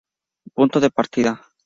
Punto de partida.